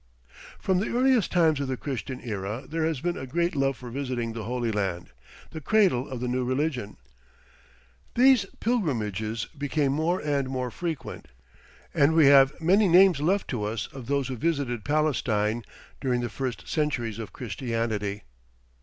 From the earliest times of the Christian era there has been a great love for visiting the Holy Land, the cradle of the new religion. These pilgrimages became more and more frequent, and we have many names left to us of those who visited Palestine during the first centuries of Christianity.